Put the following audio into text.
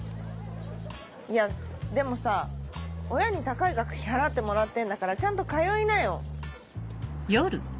いやでもさ親に高い学費払ってもらってんだからちゃんと通いなよ。